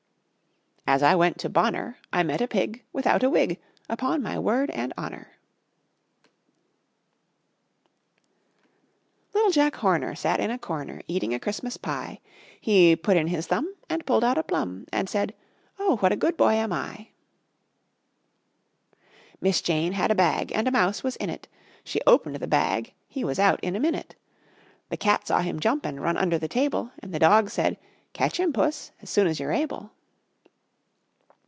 As I went to Bonner I met a pig Without a wig, Upon my word and honor. Little Jack Horner Sat in a corner Eating a Christmas pie; He put in his thumb, And pulled out a plum, And said: "Oh, what a good boy am I!" Miss Jane had a bag and a mouse was in it; She opened the bag, he was out in a minute. The cat saw him jump and run under the table, And the dog said: "Catch him, Puss, soon as you're able."